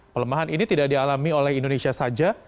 pelemahan ini tidak dialami oleh indonesia saja